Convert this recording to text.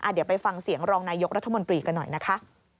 เดี๋ยวไปฟังเสียงรองนายกรัฐมนตรีกันหน่อยนะคะ